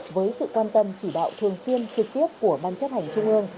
với sự quan tâm chỉ đạo thường xuyên trực tiếp của ban chấp hành trung ương